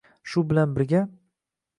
Shu bilan birga